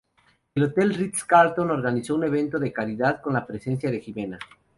El Hotel Ritz Carlton organizó un evento de caridad con la presencia de Ximena.